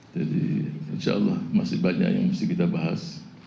jadi insyaallah masih banyak yang mesti kita bahas